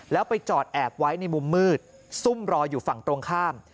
แล้วไปจอดแอบไว้ในมุมมืดซุ่มรออยู่ฝั่งตรงข้าม